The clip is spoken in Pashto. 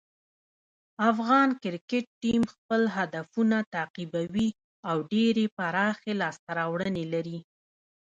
افغان کرکټ ټیم خپل هدفونه تعقیبوي او ډېرې پراخې لاسته راوړنې لري.